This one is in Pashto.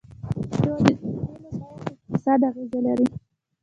د تیلو بیه په اقتصاد اغیز لري.